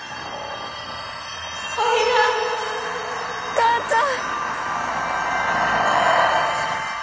母ちゃん！